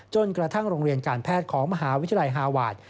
จนกระทั่งโรงเรียนการแพทย์ของมหาวิทยาลัยฮาวาส